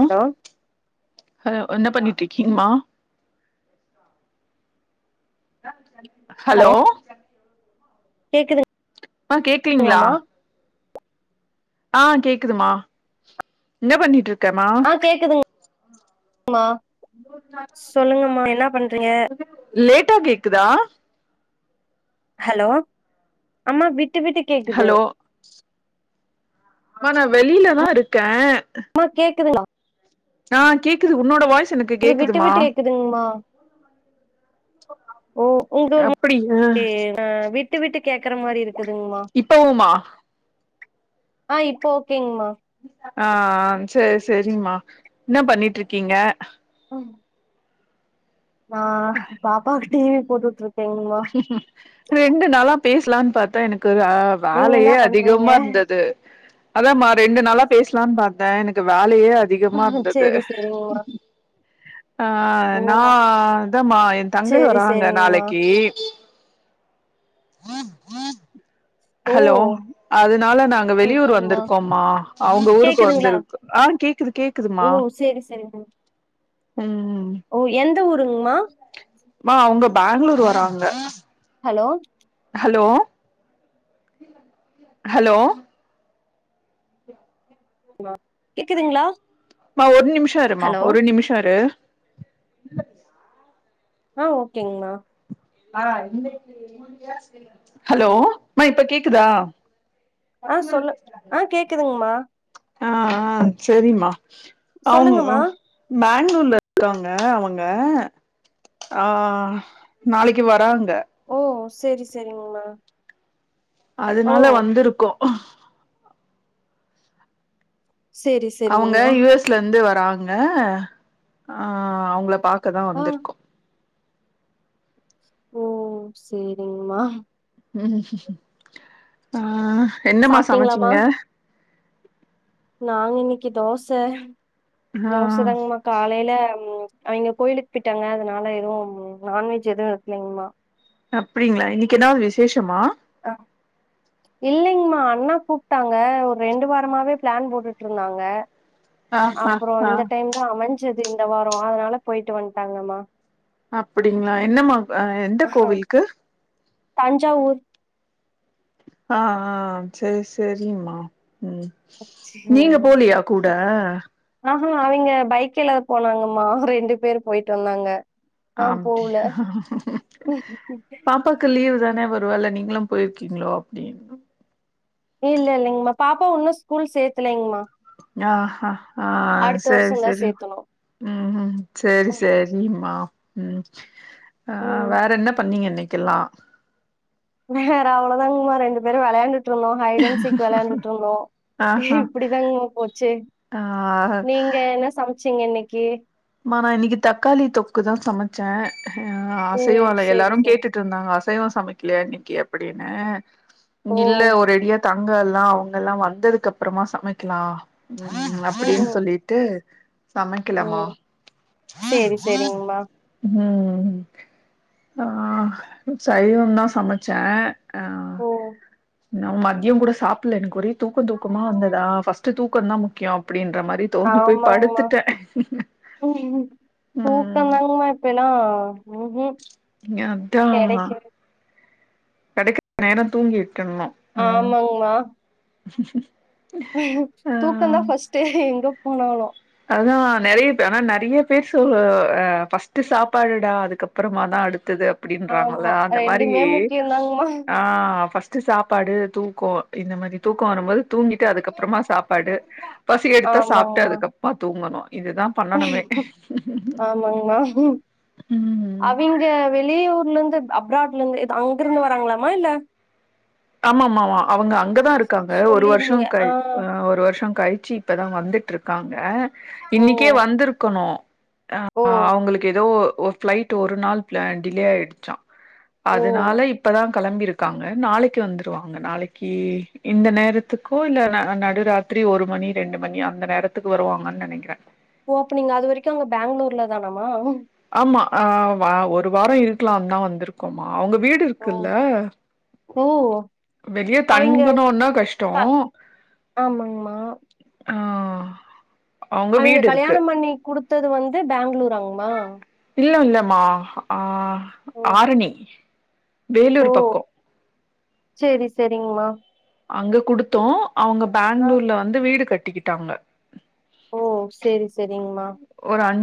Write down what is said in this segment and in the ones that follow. அ hello hello என்ன பண்ணிட் இருக்கீங்மா ஆ சரிங் ஹலோ கேக்குதுங் ஆ கேக்லிங்களா ஆ கேக்குதுமா என்ன பண்ணிட் இருக் கெமா ஆ கேக்குதுங்கமா சொல்லுங்கம்மா என்ன பண்றீங்க லேட்டா கேக்குதா ஹலோ அம்மா விட் விட்டு விட்டு கேக்குது ஹலோ மா நா வெளிலதா இருக்க அம்மா கேக்குதுங்ளா ஆ கேக்குது உன்னோட வாய்ஸ் எனக்கு உங்களுது விட்டு கேக்குதுமா விட்டு கேக்குதுங்மா ஓ உங்க ஒரு அப்படியா ஏ ஆ விட் விட்டு விட்டு கேக்குற மாரி இருக் இப்பவுமா ஆ இப்ப ஓக் ஆம் சேர் சேரிமா என்ன பண்ணிட்டு இருக்கீங்க ம் ஆ பாப்பா டிவி போட்டுட்ருக் ரெண்டு நாளாப் பேசலான் பாத்தா எனக் கு வே நீங்க என்ன வேலயே பண்றீங்க அதிகமா இருந்தது அதாமா ரெண்டு நாளா பேசுலான் பாத்த எனக்கு வேல் லயே அதிகமா இருந்தது சேரி சேரிங்கமா ஆ ஓ நா இதாமா என் தங்கை சேரி வர்றாங்க சேரிங்கமா நாளைக்கு [unintelligible] ஓ ஹலோ அதனால நாங்க வெளியூர் சூப்பர்மா வந்துருக்கோம்மா அவுங்க ஊருக்கு கேக்குதுங்களா வந்துருக்கு ஆ கேக்குது கேக்குதுமா ஓ சேரி சேரிங்கமா ம் ஓ எந் த ஊருங்மா [inaudible] மா அவுங்க பேங்களூர் வர்றாங்க ஹலோ அலோ ஹலோ கேக்குதுங்களா மா ஒரு நிம்ஷோ இருமா ஹலோ ஒரு நிம்ஷோ இரு ஆ ஓகேங்மா ஹலோ மா இப்ப கேக்குதா ஆ சொல்லு ஆ கேக்குதுங்மா ஆ ஆ சேரிம்மா அவுங் சொல்லுங்கம்மா. மேண் வெளி ஊர்ல இருக்காங்க அவுங்க ஆ நாளைக்கு வராங் ஓ சேரிஸ் சேரிங்மா அதனால வந்துருக்கோ [unintelligible] சரி அவங்க சரிங்கம்மா. யு எஸ்ல இருந்து வர் றாங்க ஆ அவங்கள பாக் க்கதா ஆ வந்துருக்கோ ஓ சேரிங்மா ம் ஆ ஆ என்னமா சாப்ட்டீங்களாம்மா? சமச்சிங்க நாங்க இன்னிக்கு தோச ஆ தோசதாங்மா காலைல ம் அவிங்க கோயிலுக்கு போயிட்டாங்க அதனால எதுவும் நான்வெஜ் எதுவு எடுக்கலைங்மா அப்டிங்களா இன்னைக்கு என்னாவது விசேஷமா ஆ இல்லைங்மா அண்ணா கூப்டாங்க ஒர் ரெண்டு வாரமாவே பிளேன் போட்டுட்டு இருந்தாங்க ஆ ஆ அப்புறோ ஆ இந்த டைம்தா அமஞ் சுது இந்த வாரோ அதனால போயிட்டு வன்டாங்கம்மா அப்டிங்களா என்ன மா அ எந்த கோவிலுக்கு தஞ்சாவூர் ஆ ஆ சேரி சேரிம்மா ம் நீங்க போலியா கூட ஆ அவிங்க பைக்ல்லதா போனாங்கம்மா ரெண்டு பேரு போயிட்டு வந்தாங்க நான் போவுல. அப்டியா பாப்பாக்கு லீவுதா ன வருவால நீங்களும் போயிருக்கீங்களோ அப்டின்னு இல்ல இல்லைங்மா பாப்பா ஒன்னு ஸ்கூல் சேத்தலைங்மா ஆஹா ஆ சேரி வருஷம் தான் சேரி சேர்த்தணும். ம் ம் சேரி சேரிம்மா ம் ஆஹ் ம். வேற என்ன பண்ணீங்க இன்னைக்கு இருக்கிலாம் வேற அவ்ள தாங்கமா ரெண்டு பேரும் விளையாண்டண்டு ஹைடன் சிக் விளையாண்டுட்டு இருந்தோம் ஆஹா இப்படிதாங்க போச்சு ஆ நீங்க என்ன சமைச்ச ச்சிங்க இன்னைக்கு மா நான் இன்னைக்கு தக்காளி தொக்கு தான் சமைச்சேன் ஆஹ் ஓ! அசைவம் இல்ல சரி, எல்லாரும் சரிங்க. கேட்டுட்டு இருந்தாங்க இப்பவேவா சமைக்கலையா இன்னைக்கு அப்படின்னு ஓ! இல்ல ஒரு அடியா தான் அங்க எல்லாம் அவங்க எல்லாம் வந்ததுக்கு அப்புறமா சமைக்கலாம் உம் ம். அப்படின்னு ம். சொல்லிட்டு சமைக்கலாமா செரி செரிங்கம்மா ம் ஆஹ் சைவம் தான் சமைச்சேன் ஓ நான் மதியம் கூட சாப்பிடல எனக்கு தூக்கம் தூக்கமா வந்ததா பர்ஸ்ட் தூக் தூக்கம் தூக்கம் தான் முக்கியம் அப்படின்ற மாதிரி தோண்டி போய் படுத்துட்டேன் உம் தூக்கம் தான் மா இப்ப எல்லாம் அதான் கிடைக்க நேரம் தூங்கிகிடனும் ஆமாங்கமா ச தூக்கம் தான் ஃபர்ஸ்ட்டே எங்கப் போனாலும் அதான் நிறைய பேர் ஆனா நிறைய பேர் சொல் ஃபர்ஸ்ட்டு சாப்பாடுடா அதுக்கப்புறமா தான் அடுத்து து அப்படின்றாங்கள ஆமா அந்த மாதிரி ரெண்டுமே முக்கியந்தாங்மா ஆஹ் சாப்பாடு தூக்கம் இந்த மாதிரி தூக்கம் வரும்போது தூங்கிட்டு அதுக்கப்புறமா சாப்பாடு பசி எடுத்தா சாப்பிட்டு ஆமாங்மா அதுக்க தூங்கனும் ஆமாங்மா ம். அவிங்க வெளியூர்ல இருந் து அப்ராட்ல இருந்து இது அங்க இருந்து வராங்களாமா இல்ல ஆமா ஆமா ஆமா அவங்க அங்கதா இருக்காங்க ஒரு வருஷோ சொல்லிருந்தீங்க ஆ கழ் அ ஒரு வருஷோ கழிச்சு இப்பதா வந்துட் ட்ருக்காங்க ஓ இன்னைக்கே வந்துருக்கணு ஆ ஓ அவங்களுக்கு எதோ ஒரு ஃப்ளைட் ஒரு நாள் டிலே ஆயிடுச்சா ஓ அதனால இப்பதா கெளம்பி இருக்காங்க நாளைக் கு வந்துருவாங்க நாளைக்கு இந்த நேரத்துக்கோ இல்ல ந நடுராத்திரி ஒரு மணி ரெண்டு மணி அந்த நேரத்துக்கு வருவாங்கன் நெனைக்கிற ஓப்பனிங் அது வரைக்கு அவங்க பேங்களூர்லதானாமா ஆமா ஆ வா ஒரு வாரோ இருக்கலாம் தா வந்துருக்கோமா அவங்க வீடு ஓ இருக்குல்ல ஓ வெளிய அவிங்க தங்கனுன்னா கஷ்டோ க ஆமாங்மா ஆ அவங்க அவிங்க வீடு இருக்கு கல்யாணம் பண்ணி குடுத்தது வந் து பேங்களூராங்மா இல்ல இல்லமா ஆ ஓ ஆரணி ஓ வேலூர் பக்கோ சேரி சேரிங்மா அங்க குடுத்தோ அவங்க பேங்களூர்ல வந்து வீடு கட் கட்டிக்கிட்டாங்க ஓ சேரி சேரிங்மா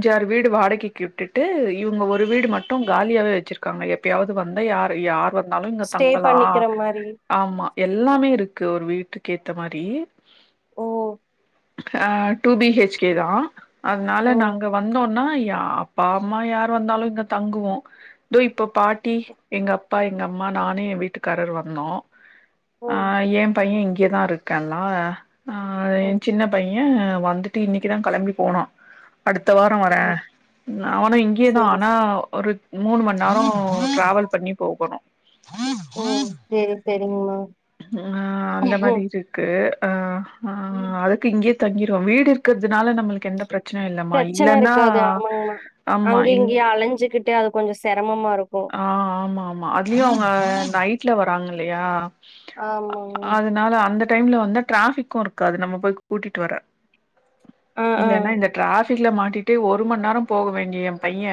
டியாரு வீடு வாடகைக்கு விட்டுட்டு இவங்க ஒரு வீடு மட்டு காலியாவே வெச்சுருக்காங்க எப்பியாவது வந்தா யாரு யாரு வந் ந்தாலு இங்க ஸ்டே தங்களா பண்ணிக்கிற மாரி ஆம்மா எல் எல்லாமே இருக்கு ஒரு வீ ட்டுக்கேத்த மாரி ஓ ஓ அ டூ பி ஹெச் கே தா அதனால ஓ நாங்க வந்தோன்னா இ யா அப்பா அம்மா யார் வந்தாலு இந்த தங்குவோ இதோ இப் இப்ப பாட்டி எங்க அப்பா எங்க அம்மா நானு எ வீட்டுக்காரரு வந்தோ ஆ ஏம் பைய இங் இங்கதா இருக்கல்லா ஆ ஓ ஓ எ சின்ன பைய வந்துட்டு இன்னிக்குதா கெளம்பி போனா அடுத்த வாரோ வர அவனு இங்கேயேதா சேரி ஆனா ஒரு மூணு மண் நேரோ டிராவல் பண்ணி போகணு ஓ சேரி சேரிங்மா ஆ அந்த மாரி இருக்கு ஆ ஆ அதுக்கு இங்கயே தங்கிருவோம் வீடு இருக்குறதுனால நம்மளுக்கு எந்த பிரச் பிரச்சன இருக்காது ஆமாங்மா ஆமா அங்க இல் இங்கியு அலஞ்சுக்கிட்டே அது கொஞ்ச சிரமமா இரு ஆ ஆமா ஆமா அதுலயு அவங்க நைட் ல வராங்க இல்லையா ஆமாங்மா அதனால அந்த டைம்ல வந்து டிராபிக்கு இருக்காது நம்ம போய் கூட்டிட்டு வர ஆ ஆ இல்லன்னா இந்த டிராஸ் க்கல மாட்டிட்டு ஒரு மண் நேரோ போக வேண்டிய எம் பைய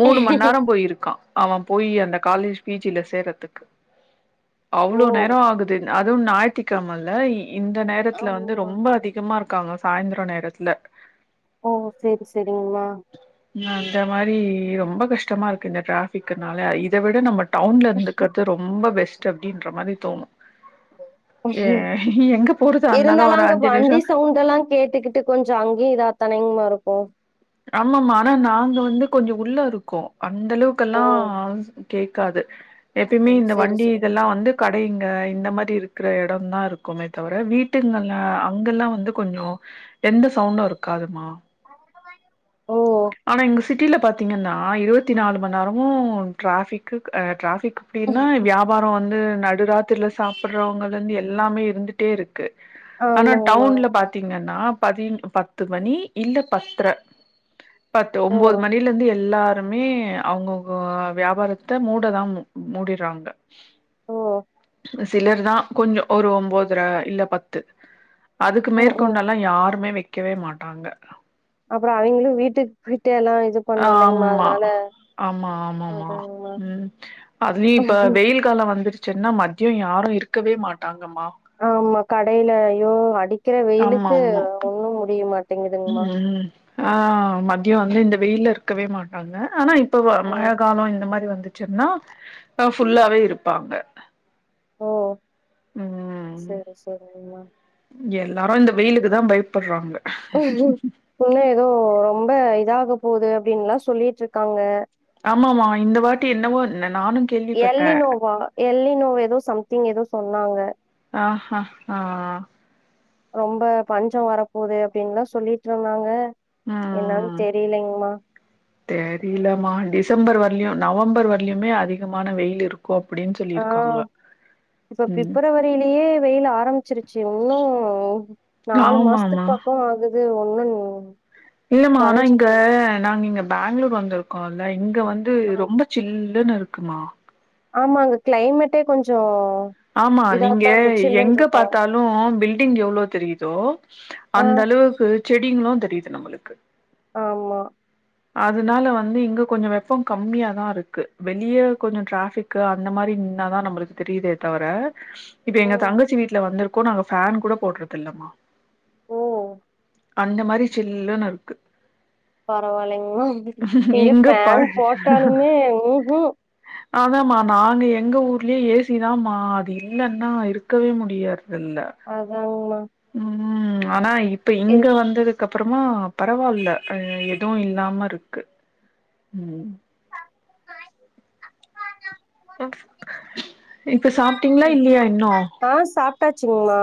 மூணு மண் நேரோ போயிருக்கா அவம் போயி அந்த காலேஜ் பிஜில சேர்றதுக்கு ஓ அவ்ளோ நேரோ ஆகுது இந் அதுவும் ஞாயித்துக்கெழமல்ல இந்த நேரத்துல வந்து ஆமா ரொம்ப அதிகமா இருக் க்காங்க சாயிந்துரோ நேரத்துல ஓ சேரி சேரிங்மா அந்த மாரி ரொம்ப கஷ்டமா இருக்கு இந்த டிராபிக்னால இத விட நம்ம டவுன்ல இருந்துக்கறது ரொம்ப பெஸ் அப்படின்ற மாதிரி தோணும் எங்க போறதா இருந்தாலு இருந்தாலும் ஒரு அங்க அஞ்சு நிமிஷோ வண்டி சவுண்டல்லாம் கேட்டுக்கிட்டு கொஞ்சம் அங்கேய இதானங்கமா இருக்கும் ஓ ஆமாமா ஆனா நாங்க வந்து கொஞ்சம் உள்ள இருக்கோம் அந்த ஓ அளவுக்குல்லாம் கேக்காது எப்பயுமே ஓ இந்த செரி வண்டி செரிங்க இதெல்லாம் வந்து கடைங்க அ இந்த மாதிரி இருக்கிற இடம் தான் இருக்குமே தவிர வீட்டுங்கல அங்கல்லாம் வந்து கொஞ்சம் எந்த சவுண்டும் இருக்காதுமா அஹ் ஆனா எங்க சிட்டியில் பார்த்திங்கன்னா இருபத்தி நாலு மணி நேரமும் ட்ராஃபிக்கு ட்ராஃபிக் அப்படின்னா வியாபாரம் வந்து நடுராத்திரில சாப்பிடுறவங்கல இருந்து எல்லாமே இருந்துட்டே இருக்கு ஆனா ஆமாங்கமா டவுன்ல பாத்தீங்கன்னா பதி பத்து மணி இல்ல பத்தரை பத்து ஓ ஒன்பது மணில இருந்து எல்லாரும் எல்லாருமே அவங்கவங்க வியாபாரத்தை மூடதான் மூடிடுறாங்க ஓ சிலர் தான் கொஞ்சம் ஒரு ஒன்பதுர இல்ல பத்து அதுக்கு ம் ம் மேற்கொண்டெல்லாம் யாருமே வைக்கவே மாட்டாங்க அப்புறம் அவங்களும் வீட்டுக்கு போய் ஆமா ஆமா ஆமாமா அதாங்கமா உஹம் அது நீ இப்ப வெயில் காலம் வந்துருச்சு சென்னா மதியம் யாரும் இருக்கவே மாட்டாங்க இங்கம்மா கடையிலயோ அடி அடிக்கிற வெயிலுக்கு ஆமா ஒண்ணும் முடிய மாட்டேங்குதுங்கமா ஆஹ் மதியம் வந்து இந்த வெயில இருக்கவே மாட்டாங்க ஆனா இப்ப ஓ மழை காலம் இந்த மாதிரி வந்துட்டு ன்னாஹ் ஃபுல்லாவே இருப்பாங்க ஓ ம் சேரி சேரி ஆமா எல்லாரு இந்த வெயிலுக்கு தா பயப் உ ஒன்ன ஏதோ ரொம்ப இதாக போகுது அப்டின்லா சொல்லிட்டு இருக்காங்க ஆமாமா இந்த வாட்டி என்னவோ ந எல்லி நோவா எல்லி நோவ் ஏதோ சம்திங் ஏதோ சொன்ன னாங்க ஆ ஹ ஹ ரொம்ப பஞ்சோ வரப்போது அப்டின்னுலா சொல்லிட்டு இருந்தாங்க என்னன்னு தெரியலங்ம்மா தெரியல மாடிஸ் டிசம்பர் வரலையு நவம்பர் வர யிலயுமே அதிகமான வெயில் இருக் ஆ இப்ப ம் ஃபிப்ரவரியிலயே வெயில் ஆரம்பிச்சிருச்சு இன்னு நாலு மாசத்துக்கு ஆமாமா பக்கோ ஆகுது அது ஒண்ணுன் இல்லமா ஆனா இங்க நாங்க இங்க பேங்களூர் வந்துருக்கோல இ இங்க வந்து ரொம்ப சில்லுன்னு இருக் கமா ஆமாங்க கிளைமேட்டே கொஞ்சோ ஆமா நீங்க இதாத்தா இருக்கு சில்லுன்னு எங்க இருக்கு பாத்தாலு பில்டிங் எவ்ளோ தெரியுதோ ஆ அந்த அளவுக்கு செடிங்களு தெரியுது நம்மளுக்கு ஆமா அதனால வந்து இங்க கொஞ்ச வெப்பம் கம்மியாதா இருக்கு வெளிய கொஞ்ச டிராஃபிக்கு அந்த மாதிரி நின்னாதா நம்மளுக்கு தெரியுதே தவிர இப்ப எங்க ம் தங்கச்சி வீட்டுல வந்திருக் கோ நாங்க ஃபேன் கூட போடுறது இல்லம்மா ஓ அந்த மாரி சில்லுன்னு இருக்கு பரவாயில்லைங்கமா நீங்க இங்க ப ஃபேன் போட்டாலுமே உ ஹு அதான்மா நாங்க எங்க ஊர்லயே ஏ சிதாமா அது இல்ன்னா இருக்கவே முடியாது அதாங்மா உ ஆனா இப் இப்ப இங்க வந்தது அப்புறமா பரவாயில்ல எதுவும் இல்லாம இருக்கு உம் ஆ இப்ப சாப்பிட்டீங்களா இல்லையா இன்னும் ஆ சாப்ட்டாச்சுங்கமா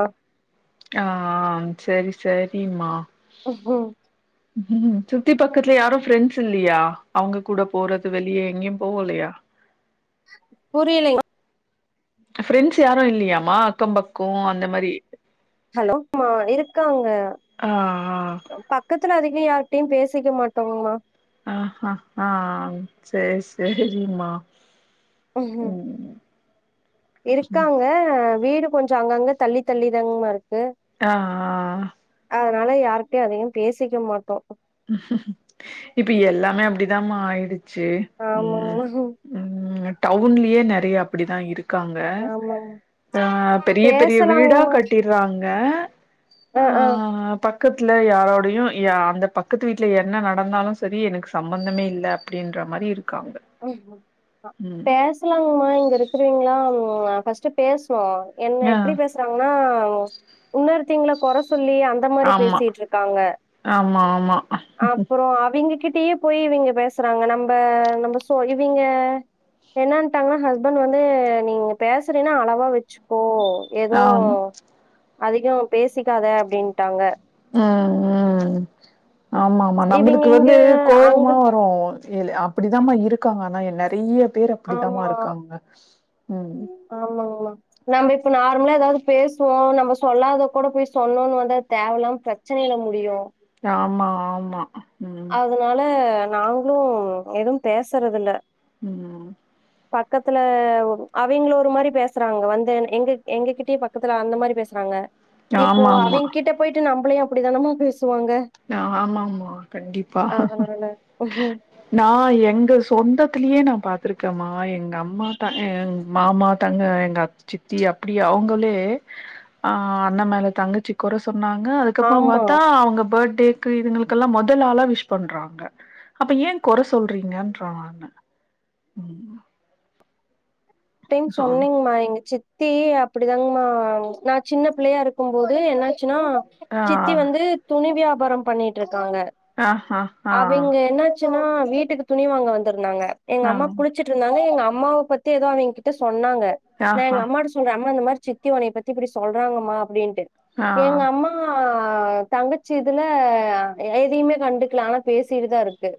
ஆஹ் செரி செரிம்மா ஹம் ஹம் சுத்தி பக்கத்துல யாரும் ஃப்ரெண்ட்ஸ் இல்லையா அவங்க கூட போறது வெளியே எங்கேயும் போவலையா புரியலைங்மா ஃப்ரெண்ட்ஸ் யாரும் இல்லையாமா அக்கம் பக்கம் அந்த மாதிரி ஹலோ மா இருக்காங்க ஆஹ் ஆஹ் யாரிட்டையும் பேசிக்க மாட்டோங்கமா ஆஹ்ஹ ஆஹ் செரி செரி சரிம்மா ம் உம் இருக்காங்க வீடு கொஞ்சம் அங்கங்க தள்ளி தள்ளி தாங்கமா இருக்கு ஆஹ்ஆஹ் அதனால யாருட்யையும் அதிகம் பேசிக்க மாட்டோம் இப்ப எல்லாமே அப்படிதான் ஆயிடுச்சு உம் ஆமாங்மா உம் டவுன்லயே நிறைய அப்படிதான் இருக்காங்க ஆமாங் ஆஹ பெரிய பெரிய வீடா பேசலாங்மா கட்டிட்டுறாங்க க ஆ ஆ ஆஹ் பக் பக்கத்துல யாரோடையும் அந்த பக்க பக்கத்து வீட்டில என்ன நடந்தாலும் சரி எனக்கு சம்பந்தமே இல்லை அப்படின்ற மாதிரி இருக்கு ம் பேசலாங்கமா இங்க இருக்கிறவீங்களா ப்போ பர்ஸ்ட்டு ம்ம் என்ன ஆ எப்படி பேசுறாங்கன்னா உன்ன எங்கள குறைச்ச சொல்லி அந்த மாதிரி ஆமா பேசட்டு இருக்காங்க ஆமா ஆமா அப்புறம் அவங்க கிட்ட இப்பையே போய் இவங்க பேசுறாங்க நம்ம நம்ம இவங்க என்னட்டாங்கன்னா ஹஸ்பண்ட் வந்து நீங்க பேசுறீன்னா அளவா வெச்சு ஓ ஏதோ ஆமா அதிகோ பேசிக்காத அப்டின்ட்டாங்க ம் ம் ஆமா ஆமா இவிங்க நம்மளுக்கு இங்க வந்து அங்க கோவமா வரு எலே அப் அப்டிதாம்மா இருக்காங்க ஆனா என் நறையப் ஆமா ம் ஆமாங்மா நாம இப்ப நார்மலா எதாவது பேசுவோ நம்ம சொல்லாத கூட போய் சொன்னோனு வந்து அது தேவயில்லாமா பிரச்சனில முடியு ஆமா ஆமா ம் அதுனால நாங்களு எதும் பேசறது இல்ல ம் பக்கத்துல அவிங்கள ஒரு மாரி பேசுறாங்க வந்து எங்க எங்ககிட்டயே பக்கத்துல அந்த மாரி பேசுறாங்க இப்போ ஆமா அவிங் கிட்ட போயிட்டு நம் நம்மளயு அப்டிதானமா பேஸ் ஆ ஆமா ஆமா பே கண்டிப்பா அதனால நா எங்க சொந்தத்துலியே நா பாத் பாத்துருக்கமா எங்க அம்மா மாமா தங்க எங்க சித்தி அப்டியே அவங்களே அ அண்ண மேல தங்கச்சி கொற சொல் நாங்க அதுக்கப்புறோ ஆமா. பாத்தா அவங்க போட் டேக்கு இதுங்களுக்கெல்லா மொதல் ஆளா விஷ் பண்றாங்க அப்ப ஏ கொற சொல்றீங்கன்றாங்க ம் டைம் சொ சொன்னீங்மா எங்க சித் தி அப்டிதாங்கமா நா சின்ன புள்ளயா இருக்கும்போது து என்னாச்சுன்னா ஆ சித்தி வந்து துணி வியா பாரம் பண்ணிட்ருக் க்காங்க ஆ ஆ ஆ அவிங்க என்ன சும்மா வீட்டுக்கு துணி வாங்க வந்தர் இருந்தாங்க எங்க ஆ அம்மா குளுச்சுட்டு இருந்தாங்க எங்க அம் அம்மாவ பத்தி எதோ அவிங் கிட்ட சொன் சொன்னாங்க நா ஆ எங்க அம்மாட்ட சொல்ற அம்மா அந்த மாரி சித்தி உனய பத்தி இப்புடி சொல்றாங்கமா அப்டின் டு ஆ எங்க அம்மா ஆ தங்கச்சி இதுல எதயுமே கண்டுக்கலா ஆனா பேசிட்டுதா இருக்கு